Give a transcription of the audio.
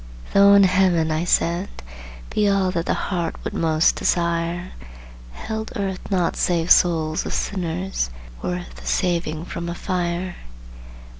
"Though in Heaven," I said, "be all That the heart would most desire, Held Earth naught save souls of sinners Worth the saving from a fire?